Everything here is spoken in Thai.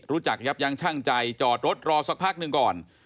รู้จักยับยังช่างใจจอดรถรอสักพักหนึ่งก่อน